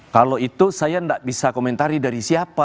kalau itu saya tidak bisa komentari dari siapa